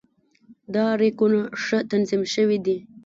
دا ریکونه ښه تنظیم شوي دي.